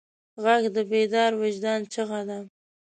غږ د بیدار وجدان چیغه ده